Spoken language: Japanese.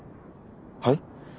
はい？